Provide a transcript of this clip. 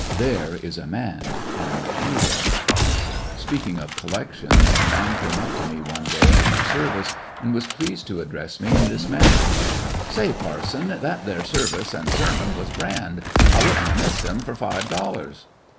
There he is a man and a hero ! What he Speaking of collections, a man came up to no give ^^^^^ ^y after service, and was pleased to address me in this manner : "Say, parson, that there service and sermon was grand. I would n't have missed 'em for five dollars!"